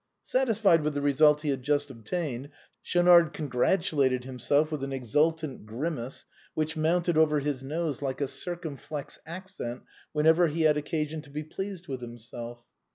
Satisfied with the result he had just obtained, Schaunard congratulated himself with an exultant grimace, which mounted over his nose like a circumflex accent whenever he had occasion to be pleased with himself.